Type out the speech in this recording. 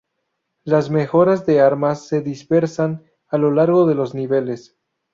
Las mejoras de armas se dispersan a lo largo de los niveles.